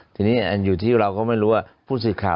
ทีนี้อยู่ที่แล้วก็ไม่รู้